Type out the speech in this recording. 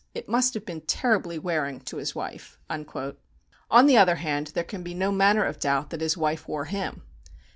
It must have been terribly wearing to his wife." On the other hand, there can be no manner of doubt that his wife wore him.